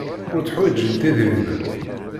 Ur tteḥwijint idrimen.